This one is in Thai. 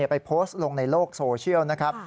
ไปโพสต์ลงในโลกโซเชียลนะครับ